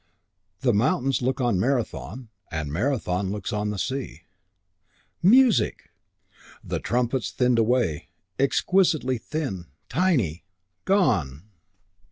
The mountains look on Marathon And Marathon looks on the sea. Music! The trumpets thinned away, exquisitely thin, tiny, gone!